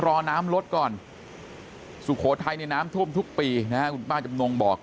รอน้ำลดก่อนสุโขไทยในน้ำทุ่มทุกปีนะคุณป้าจำนวงบอก